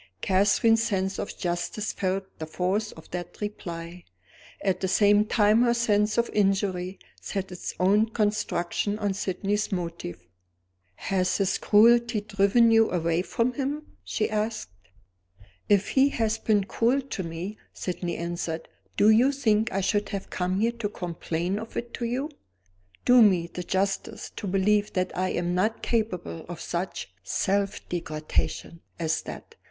Catherine's sense of justice felt the force of that reply. At the same time her sense of injury set its own construction on Sydney's motive. "Has his cruelty driven you away from him?" she asked. "If he has been cruel to me," Sydney answered, "do you think I should have come here to complain of it to You? Do me the justice to believe that I am not capable of such self degradation as that.